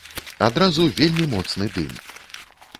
Адразу вельмі моцны дым.